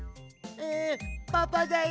んパパだよ。